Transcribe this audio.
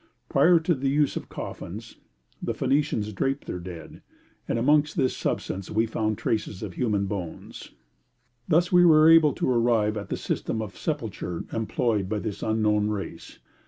Prior to the use of coffins the Phoenicians draped their dead, and amongst this substance we found traces of human bones. Thus we were able to arrive at the system of sepulture employed by this unknown race.